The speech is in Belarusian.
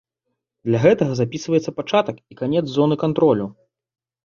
Для гэтага запісваецца пачатак і канец зоны кантролю.